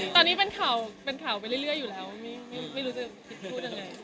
ตอนนี้เป็นข่าวไปเรื่อยอยู่แล้วไม่รู้ว่าจะคริสต์พูดยังไง